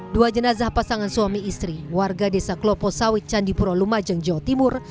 dua jenazah pasangan suami istri warga desa klopo sawit candipuro lumajang jawa timur